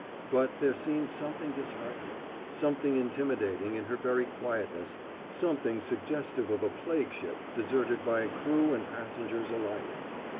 But there seemed something disheartening, something intimidating, in her very quietness, something suggestive of a plague ship deserted by crew and passengers alike.